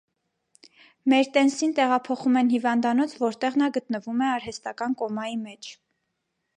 Մերտենսին տեղափոխում են հիվանդանոց, որտեղ նա գտնվում է արհեստական կոմայի մեջ։